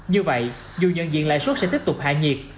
như vậy dù nhận diện lãi suất sẽ tiếp tục hạ nhiệt